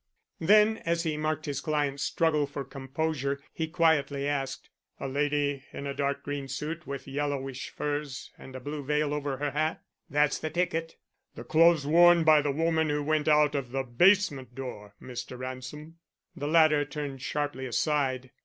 Then, as he marked his client's struggle for composure, he quietly asked, "A lady in a dark green suit with yellowish furs and a blue veil over her hat?" "That's the ticket!" "The clothes worn by the woman who went out of the basement door, Mr. Ransom." The latter turned sharply aside.